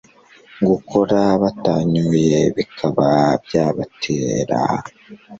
gukora batanyoye bikaba byabatera